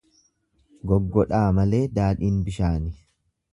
Goggodhaa malee daadhiin bishaani.